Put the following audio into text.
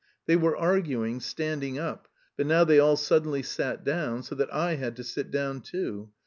They were arguing, standing up, but now they all suddenly sat down, so that I had to sit down too.